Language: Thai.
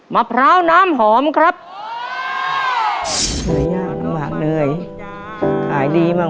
มะพร้าวน้ำหอมนะครับ